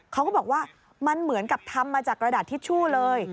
เขาก็บอกว่ามันเหมือนกับทำมาจากกระดาษทิชชู่เลย